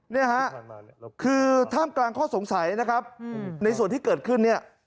เนี่ยฮะคือท่ามกลางข้อสงสัยนะครับในส่วนที่เกิดขึ้นเนี่ย